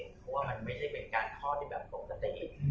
เพราะว่ามันไม่ได้เป็นการท่อแบบตรงตะเตศ